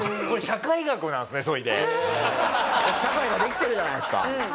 社会ができてるじゃないですか。